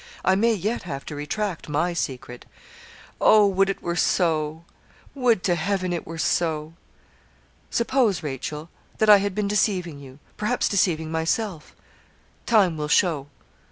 I may yet have to retract my secret.' 'Oh! would it were so would to Heaven it were so.' 'Suppose, Rachel, that I had been deceiving you perhaps deceiving myself time will show.'